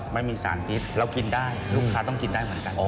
ไม่มีสารพิษเรากินได้ลูกค้าต้องกินได้เหมือนกัน